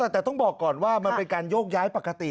แต่ต้องบอกก่อนว่ามันเป็นการโยกย้ายปกติ